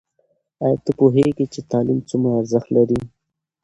ایا ته پوهېږې چې تعلیم څومره ارزښت لري؟